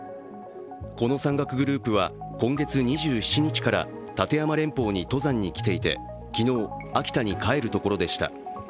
この山岳グループは今月２７日から立山連峰に登山に来ていて、昨日、秋田に帰るところでした。